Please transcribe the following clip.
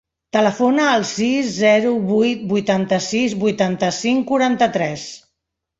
Telefona al sis, zero, vuit, vuitanta-sis, vuitanta-cinc, quaranta-tres.